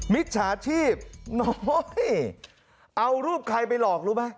มิจฉาชีพน้อยเอารูปใครไปหลอกรู้ไหม